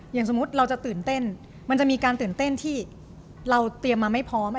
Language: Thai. อย่างสมมุติเราจะตื่นเต้นมันจะมีการตื่นเต้นที่เราเตรียมมาไม่พร้อม